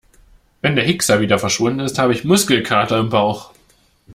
Wenn der Hickser wieder verschwunden ist, habe ich Muskelkater im Bauch.